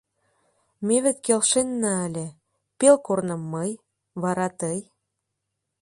— Ме вет келшенна ыле: пел корным мый, вара тый.